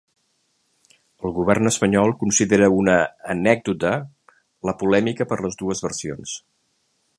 El govern espanyol considera una ‘anècdota’ la polèmica per les dues versions.